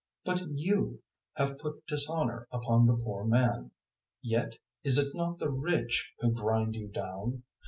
002:006 But *you* have put dishonour upon the poor man. Yet is it not the rich who grind you down?